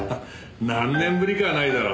何年ぶりかはないだろう。